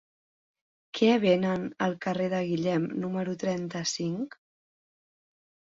Què venen al carrer de Guillem número trenta-cinc?